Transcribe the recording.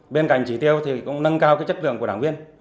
bên cạnh chỉ tiêu thì cũng nâng cao chất lượng của đảng viên